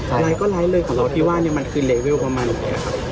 อะไรก็ร้ายเลยของเราที่ว่าเนี่ยมันคือเลเวลประมาณนี้นะครับ